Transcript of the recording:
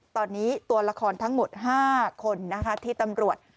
ตอนนี้ตัวละครทั้งหมด๕คนที่ตำรวจ